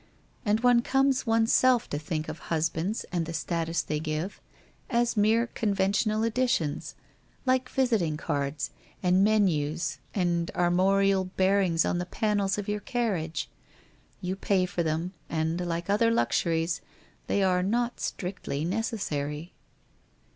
And one comes one's self to think of husbands and the status they give, as mere conventional additions, like visiting cards and menus and armorial bear ings on the panels of your carriage. You pay for them, and like other luxuries, they are not strictly necessary.